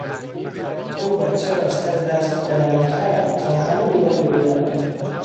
او بچه را سر دست بلند کرد تا همه او را ببینند.